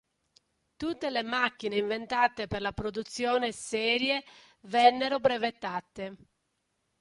Tutte le macchine inventate per la produzione serie vennero brevettate.